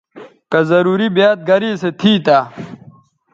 کہ ضروری بیاد گریسو تھی تہ